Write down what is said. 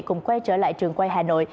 cùng quay trở lại trường quay hà nội